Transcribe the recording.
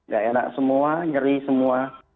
gak enak semua nyeri semua